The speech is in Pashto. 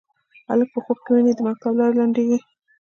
هلک په خوب کې ویني د مکتب لارې لنډیږې